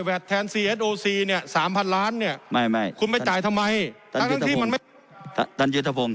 แวดแทนเนี้ยสามพันล้านเนี้ยไม่ไม่คุณไปจ่ายทำไมทาง